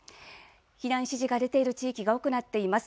避難指示が出ている地域が多くなっています。